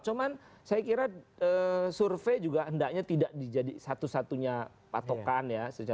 cuman saya kira survei juga hendaknya tidak jadi satu satunya patokan ya